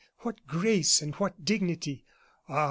What grace and what dignity! Ah!